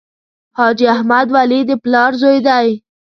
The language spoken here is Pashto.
حاجي احمد ولي د پلار زوی دی.